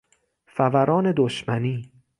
فوران دشمنی